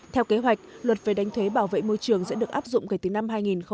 theo kế hoạch luật về đánh thuế bảo vệ môi trường sẽ được áp dụng kể từ năm hai nghìn một mươi sáu